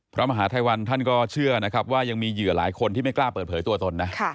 พระมหาทัยวันท่านก็เชื่อนะครับว่ายังมีเหยื่อหลายคนที่ไม่กล้าเปิดเผยตัวตนนะ